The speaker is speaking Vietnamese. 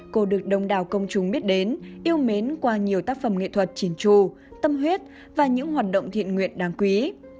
cô được đông đảo công chúng biết đến yêu mến qua nhiều tác phẩm nghệ thuật chỉn trù tâm huyết và những hoạt động thiện nguyện đáng quý